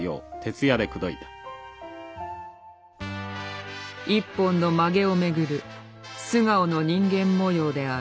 一本のまげをめぐる素顔の人間模様である。